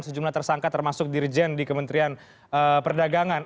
sejumlah tersangka termasuk dirjen di kementerian perdagangan